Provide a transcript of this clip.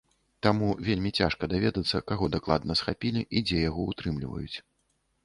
Таму вельмі цяжка даведацца, каго дакладна схапілі і дзе яго ўтрымліваюць.